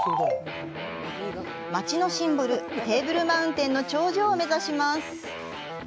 街のシンボル、テーブルマウンテンの頂上を目指します。